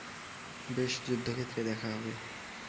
বেশ, যুদ্ধক্ষেত্রে দেখা হবে।